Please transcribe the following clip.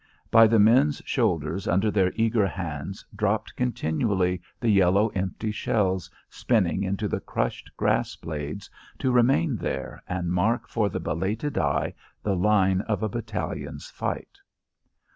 By the men's shoulders under their eager hands dropped continually the yellow empty shells, spinning into the crushed grass blades to remain there and mark for the belated eye the line of a battalion's fight.